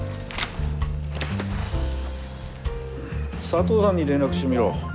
佐藤さんに連絡してみろ。